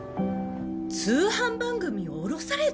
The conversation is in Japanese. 通販番組を降ろされた？